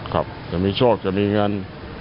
ครับจะมีโชคจะมีเงิน